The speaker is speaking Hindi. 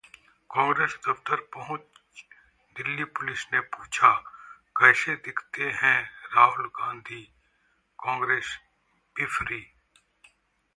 कांग्रेस दफ्तर पहुंच दिल्ली पुलिस ने पूछा- कैसे दिखते हैं राहुल गांधी़, कांग्रेस बिफरी